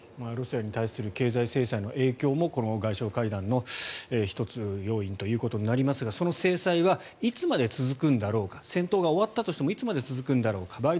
ロシアに対する経済制裁の影響もこの外相会談の１つ要因ということになりますがその制裁はいつまで続くんだろうか戦闘が終わったとしてもいつまで続くんだろうかと。